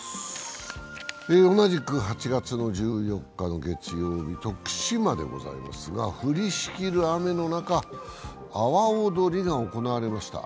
同じく８月１４日の月曜日、徳島ですが降りしきる雨の中、阿波おどりが行われました。